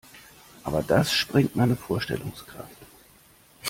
Aber das sprengt meine Vorstellungskraft.